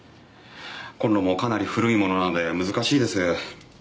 コンロもかなり古いものなので難しいです。